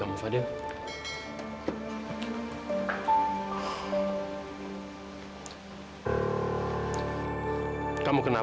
oh aku tau